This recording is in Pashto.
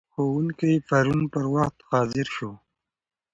ښوونکی پرون پر وخت حاضر شو.